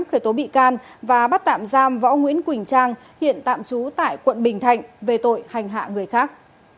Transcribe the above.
khởi tố bị can và bắt tạm giam võ nguyễn quỳnh trang hiện tạm trú tại quận bình thạnh về tội hành hạ người khác